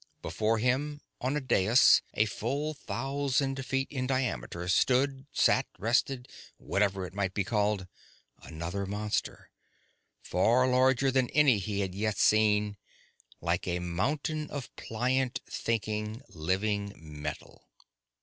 Before him, on a dais a full thousand feet in diameter, stood sat rested, whatever it might be called another monster, far larger than any he had yet seen, like a mountain of pliant thinking, living metal.